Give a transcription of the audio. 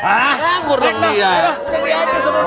anggur dong dia